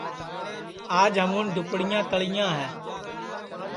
آج ہمُون دُپڑیاں تݪیاں ہے